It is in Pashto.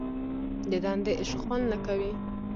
دندې اشغال نه کوي.